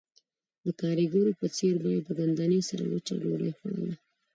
د ګاریګرو په څېر به یې د ګندنې سره وچه ډوډۍ خوړه